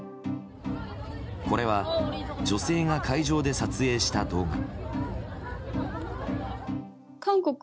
これは女性が会場で撮影した動画。